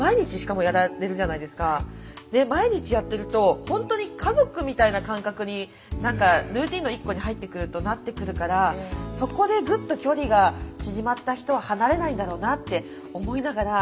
毎日やってるとほんとに家族みたいな感覚に何かルーティーンの一個に入ってくるとなってくるからそこでグッと距離が縮まった人は離れないんだろうなって思いながら。